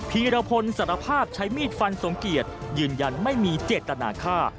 ีรพลสารภาพใช้มีดฟันสมเกียจยืนยันไม่มีเจตนาฆ่า